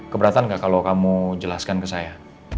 keberatan gak kalo kamu jelaskan ke saya